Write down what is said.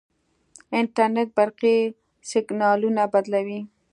انټرنیټ برقي سیګنالونه بدلوي.